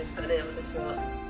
私は。